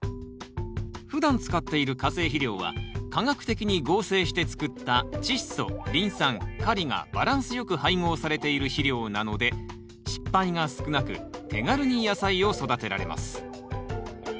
ふだん使っている化成肥料は化学的に合成して作ったチッ素リン酸カリがバランスよく配合されている肥料なので失敗が少なく手軽に野菜を育てられます。